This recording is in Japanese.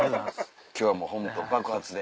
今日はもうホント爆発で。